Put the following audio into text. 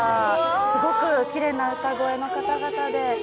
すごくきれいな歌声の方々で。